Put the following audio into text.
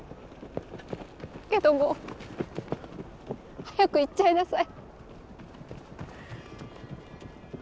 けどもう早く行っちゃいなさい。